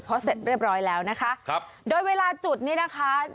เพราะเสร็จเรียบร้อยแล้วนะคะครับโดยเวลาจุดนี้นะคะ